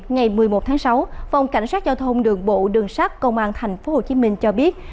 ngày một mươi một tháng sáu phòng cảnh sát giao thông đường bộ đường sát công an thành phố hồ chí minh cho biết